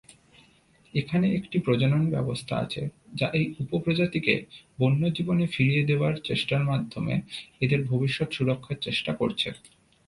এখানে একটি প্রজনন ব্যবস্থা আছে যা এই উপ প্রজাতিকে বন্য জীবনে ফিরিয়ে দেয়ার চেষ্টার মাধ্যমে এদের ভবিষ্যৎ সুরক্ষার চেষ্টা করছে।